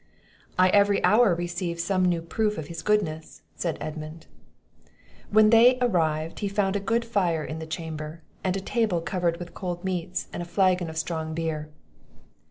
"I every hour receive some new proof of his goodness," said Edmund. When they arrived, he found a good fire in the chamber, and a table covered with cold meats, and a flagon of strong beer.